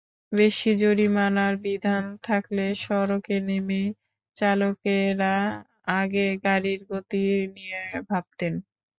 বেশি জরিমানার বিধান থাকলে সড়কে নেমেই চালকেরা আগে গাড়ির গতি নিয়ে ভাবতেন।